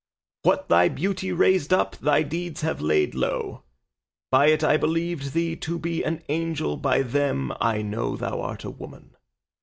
What thy beauty raised up thy deeds have laid low; by it I believed thee to be an angel, by them I know thou art a woman.